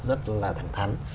rất là thẳng thắn